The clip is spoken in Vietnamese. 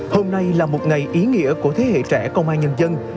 hôm nay là một ngày ý nghĩa của thế hệ trẻ công an nhân dân